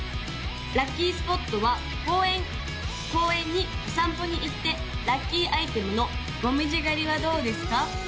・ラッキースポットは公園公園にお散歩に行ってラッキーアイテムのもみじ狩りはどうですか？